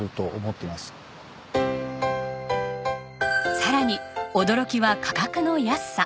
さらに驚きは価格の安さ。